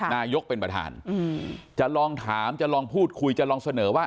นายกเป็นประธานจะลองถามจะลองพูดคุยจะลองเสนอว่า